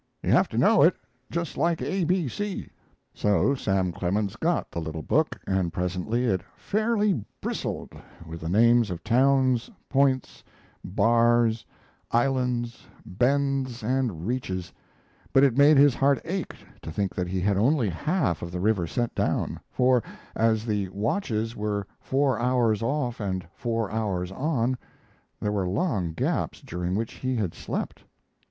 You have to know it just like A B C." So Sam Clemens got the little book, and presently it "fairly bristled" with the names of towns, points, bars, islands, bends, and reaches, but it made his heart ache to think that he had only half of the river set down; for, as the "watches" were four hours off and four hours on, there were long gaps during which he had slept.